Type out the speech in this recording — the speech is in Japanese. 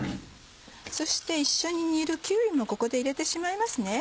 そして一緒に煮るキーウィもここで入れてしまいますね。